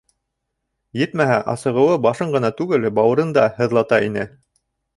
Етмәһә, асығыуы башын ғына түгел, бауырын да һыҙлата ине.